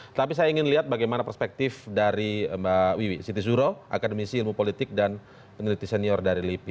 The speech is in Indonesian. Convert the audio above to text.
tapi saya ingin lihat bagaimana perspektif dari mbak wiwi siti zuro akademisi ilmu politik dan peneliti senior dari lipi